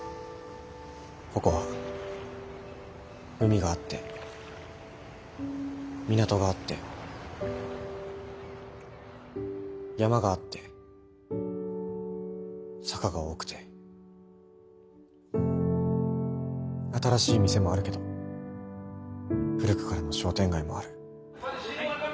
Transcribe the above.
ここは海があって港があって山があって坂が多くて新しい店もあるけど古くからの商店街もある。